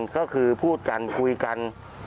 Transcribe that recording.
ก็คือพูดกันคุยกัน